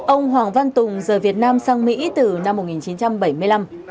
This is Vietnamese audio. ông hoàng văn tùng rời việt nam sang mỹ từ năm một nghìn chín trăm bảy mươi năm